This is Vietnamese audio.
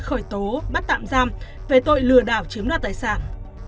khởi tố bắt tạm giam về tội lừa đảo chiếm đoạt tài sản